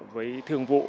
với thương vụ